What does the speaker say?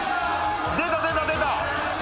出た出た出た。